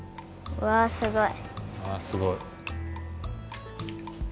うわすごい。